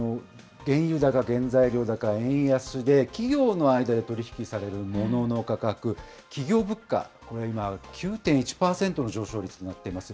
原油高、原材料高、円安で企業の間で取り引きされるモノの価格、企業物価、これが今、９．１％の上昇率となっています。